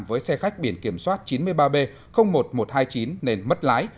với xe khách biển kiểm soát chín mươi ba b một nghìn một trăm hai mươi chín nên mất lái